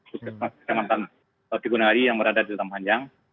puskesmas kekamatan teguh gunahari yang berada di ladang panjang